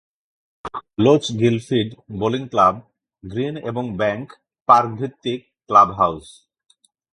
Lochgilphead bowling club green এবং bank park ভিত্তিক Clubhouse.